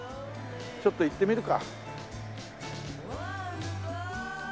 ちょっと行ってみるか。